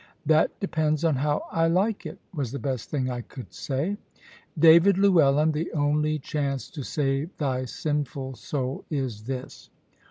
"That depends on how I like it," was the best thing I could say. "David Llewellyn, the only chance to save thy sinful soul is this.